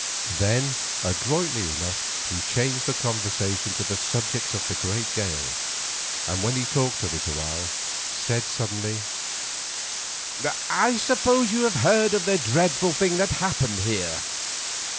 Then, adroitly enough, he changed the conversation to the subject of the great gale, and when he talked of it awhile, said suddenly: "I suppose that you have heard of the dreadful thing that happened here?"